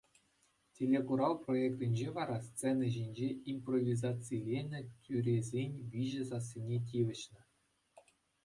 Телекурав проектӗнче вара сцена ҫинче импровизациленӗ, тӳресен виҫӗ сассине тивӗҫнӗ.